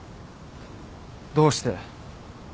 どうして。